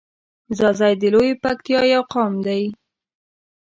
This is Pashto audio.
ځاځی د لویی پکتیا یو لوی قوم دی.